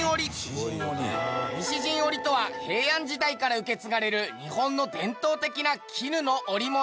西陣織とは平安時代から受け継がれる日本の伝統的な絹の織物。